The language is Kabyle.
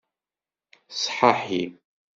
Sḥaḥi.